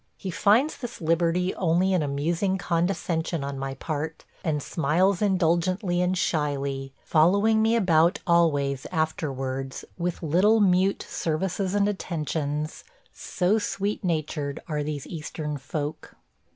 He finds this liberty only an amusing condescension on my part, and smiles indulgently and shyly, following me about always afterwards with little mute services and attentions – so sweet natured are these Eastern folk.